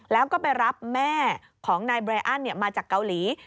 แล้วก็ไปรับแม่ของนายเบรอันมาจากเกาหลี